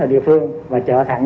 ở địa phương và chở thẳng